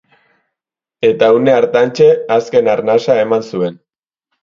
Eta une hartantxe azken arnasa eman zuen.